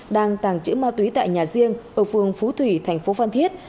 đang tàng trữ ma túy tại nhà riêng ở phường phú thủy thành phố phan thiết